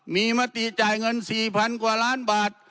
มีมติจ่ายเงิน๔๐๐๐กว่าล้านบาท